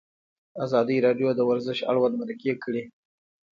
ازادي راډیو د ورزش اړوند مرکې کړي.